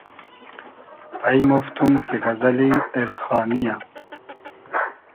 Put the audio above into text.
پݷمۉفتوم کی غئزئلی اېلخانی یۂ